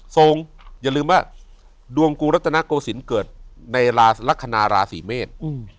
อย่าลืมว่าดวงกูรัตนโกศิลป์เกิดในลักษณะราศีเมษ